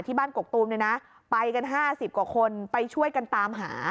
บ้านกกตูมเนี่ยนะไปกัน๕๐กว่าคนไปช่วยกันตามหา